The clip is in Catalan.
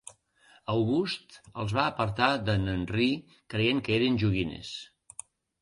August els va apartar de"n Henry, creient que eren joguines.